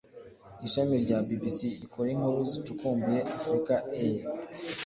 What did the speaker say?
ishami rya bbc rikora inkuru zicukumbuye africa eye,